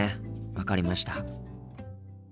分かりました。